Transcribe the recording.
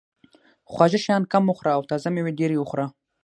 خواږه شیان کم وخوره او تازه مېوې ډېرې وخوره.